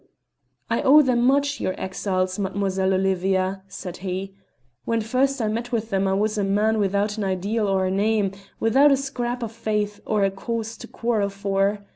"I owe them much, your exiles, Mademoiselle Olivia," said he. "When first I met with them I was a man without an ideal or a name, without a scrap of faith or a cause to quarrel for.